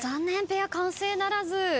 ペア完成ならず。